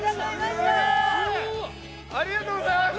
ありがとうございます！